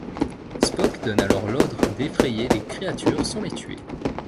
Spock donne alors l'ordre d'effrayer les créatures sans les tuer.